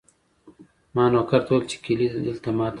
ما نوکر ته وویل چې کیلي دلته ما ته راکړه.